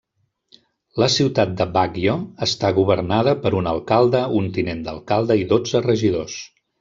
La ciutat de Baguio està governada per un alcalde, un tinent d'alcalde i dotze regidors.